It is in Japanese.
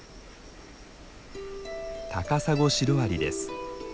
タカサゴシロアリです。